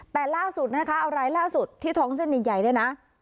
แต่ล่าสุดนะคะเอารายล่าสุดที่ท้องเส้นใหญ่เนี่ยนะ